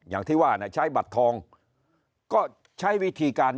อย่างที่ว่าใช้บัตรทองก็ใช้วิธีการ